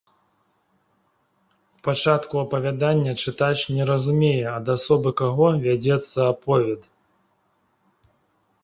У пачатку апавядання чытач не разумее, ад асобы каго вядзецца аповед.